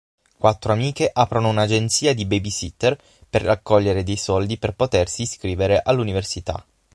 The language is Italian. Quattro amiche aprono un’agenzia di Babysitter per raccogliere dei soldi per potersi iscrivere all'università.